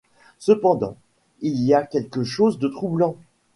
Cependant, il y a quelque chose de troublant...